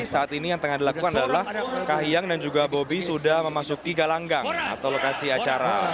saat ini yang tengah dilakukan adalah kahiyang dan juga bobi sudah memasuki galanggang atau lokasi acara